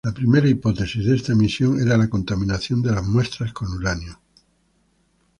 La primera hipótesis de esta emisión era la contaminación de las muestras con uranio.